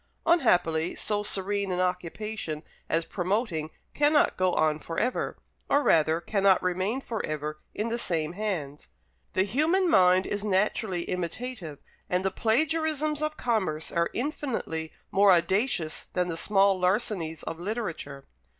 Unhappily, so serene an occupation as promoting cannot go on for ever; or rather, cannot remain for ever in the same hands. The human mind is naturally imitative, and the plagiarisms of commerce are infinitely more audacious than the small larcenies of literature.